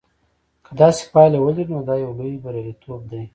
که داسې پایله ولري نو دا یو لوی بریالیتوب دی.